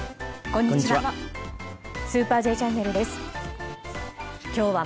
こんにちは。